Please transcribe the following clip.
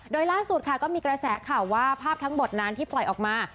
โดยล่าสุดค่ะก็มีกระแสข่าวว่าภาพทั้งหมดนั้นที่ปล่อยออกมา